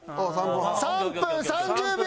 ３分３０秒。